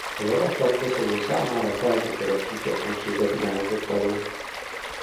A javaslat Koszovó számára feltételes függetlenséget irányzott elő.